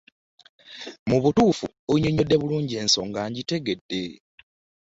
Mu butuufu onnyonnyodde bulungi ensonga ngitegedde.